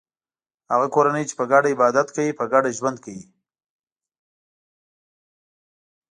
هغه کورنۍ چې په ګډه عبادت کوي په ګډه ژوند کوي.